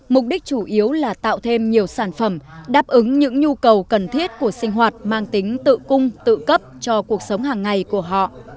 mục đích chủ yếu là tạo thêm nhiều sản phẩm đáp ứng những nhu cầu cần thiết của sinh hoạt mang tính tự cung tự cấp cho cuộc sống hàng ngày của họ